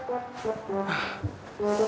mau kemana lo